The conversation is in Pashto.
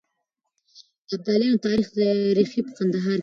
د ابدالیانو تاريخي ريښې په کندهار کې دي.